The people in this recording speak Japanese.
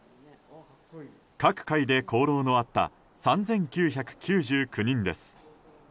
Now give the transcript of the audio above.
各界で功労のあった３９９９人です。